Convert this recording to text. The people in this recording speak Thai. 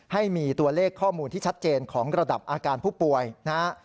ให้มีตัวเลขข้อมูลที่ชัดเจนของระดับอาการผู้ป่วยนะฮะ